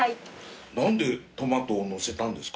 何でトマトを載せたんですか？